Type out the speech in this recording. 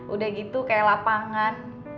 udah gitu kayak lapangan